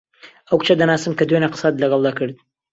ئەو کچە دەناسم کە دوێنێ قسەت لەگەڵ دەکرد.